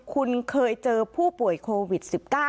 คุณเคยเจอผู้ป่วยโควิด๑๙